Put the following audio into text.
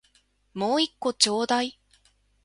もう一個ちょうだい